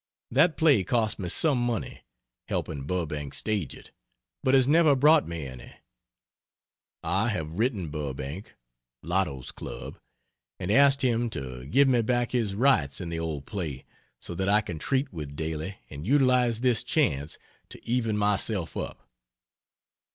That play cost me some money (helping Burbank stage it) but has never brought me any. I have written Burbank (Lotos Club) and asked him to give me back his rights in the old play so that I can treat with Daly and utilize this chance to even myself up.